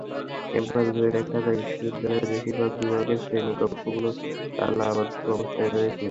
Campus ঘুরে দেখা যায়, বিশ্ববিদ্যালয়ের বেশির ভাগ বিভাগের শ্রেণিকক্ষগুলো তালাবদ্ধ অবস্থায় রয়েছে।